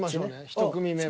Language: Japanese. １組目は。